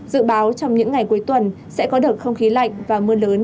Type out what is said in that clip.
dự báo trong những ngày cuối tuần sẽ có đợt không khí lạnh và mưa lớn